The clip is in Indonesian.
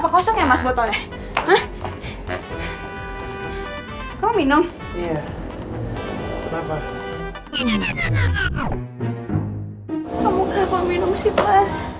kenapa emang ya